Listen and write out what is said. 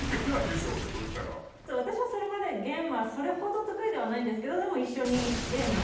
私はそれまでゲームはそれほど得意ではないんですけどでも。